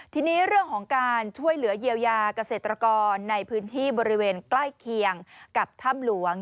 ทีนี้เรื่องของการช่วยเหลือเยียวยาเกษตรกรในพื้นที่บริเวณใกล้เคียงกับถ้ำหลวง